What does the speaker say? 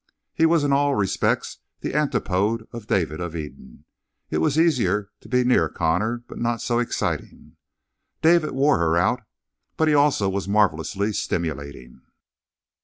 He was in all respects the antipode of David of Eden. It was easier to be near Connor, but not so exciting. David wore her out, but he also was marvelously stimulating.